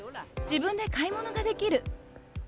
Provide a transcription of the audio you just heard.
自分で買い物ができる。